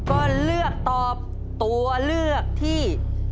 ก็เลือกตอบตัวเลือกที่